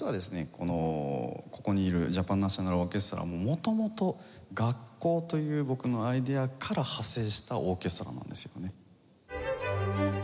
このここにいるジャパン・ナショナル・オーケストラも元々学校という僕のアイデアから派生したオーケストラなんですよね。